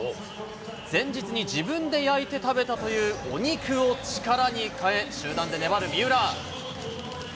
前日に自分で焼いて食べたというお肉を力に変え、集団で粘る三浦。